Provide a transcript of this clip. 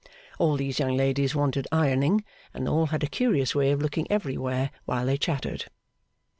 All these young ladies wanted ironing, and all had a curious way of looking everywhere while they chattered.